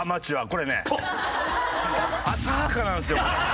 これね浅はかなんですよ。